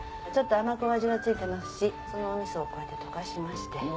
ちょっと甘くお味が付いてますしお味噌をこうやって溶かしまして。